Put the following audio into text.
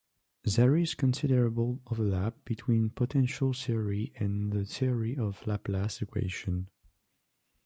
There is considerable overlap between potential theory and the theory of the Laplace equation.